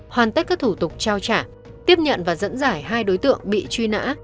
hoàn tất các thủ tục trao trả tiếp nhận và dẫn giải hai đối tượng bị truy nã